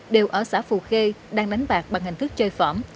đều ở xã phù khê đang đánh bạc bằng hành thức chơi phỏm